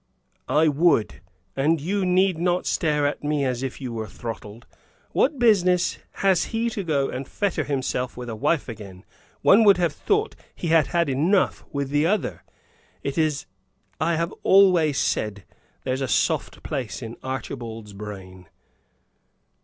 "I would; and you need not stare at me as if you were throttled. What business has he to go and fetter himself with a wife again. One would have thought he had had enough with the other. It is as I have always said, there's a soft place in Archibald's brain."